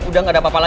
udah gak ada masalah